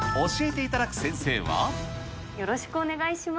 よろしくお願いします。